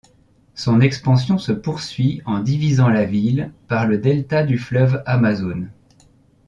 Son expansion se poursuit en divisant la ville par le delta du fleuve Amazone.